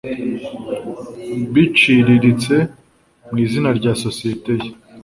buciririritse mu izina rya sosiyete ye